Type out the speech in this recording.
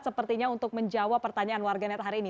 sepertinya untuk menjawab pertanyaan warganet hari ini